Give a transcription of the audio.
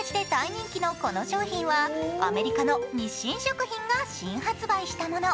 味のこの新商品はアメリカの日清食品が新発売したもの。